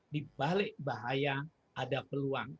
dibalik bahaya ada peluang